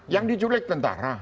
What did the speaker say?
yang diculek tentara